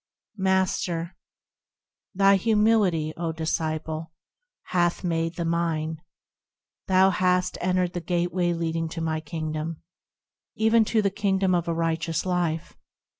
Master. Thy humility, O disciple ! hath made the mine. Thou hast entered the Gateway leading to my Kingdom, Even to the Kingdom of a righteous life.